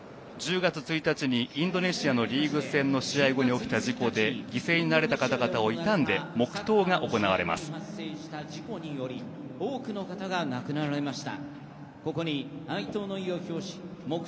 １０月１日にインドネシアのリーグ戦の試合後に起きた事故で犠牲になられた方々を悼んでの黙とうになります。